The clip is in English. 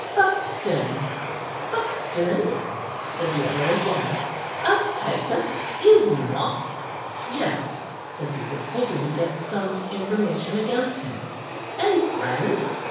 "Buxton, Buxton?" said the other again. "A Papist, is he not?" "Yes," said Hubert, hoping to get some information against him. "A friend?"